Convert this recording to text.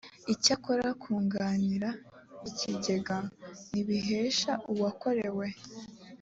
icyakora kunganira ikigega ntibihesha uwakorewe